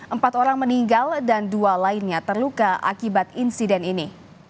empat orang meninggal dan dua lainnya terluka akibat insiden ini